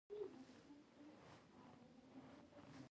مېز د وینا پر وخت اسنادو ایښودلو ته ښه وي.